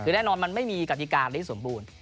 คือแน่นอนมันไม่มีกฎิกาที่สมบูรณ์